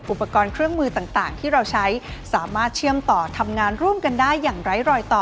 อุปกรณ์เครื่องมือต่างที่เราใช้สามารถเชื่อมต่อทำงานร่วมกันได้อย่างไร้รอยต่อ